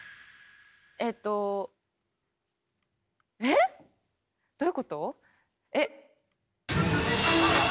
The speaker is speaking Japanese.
えとえっどういうこと？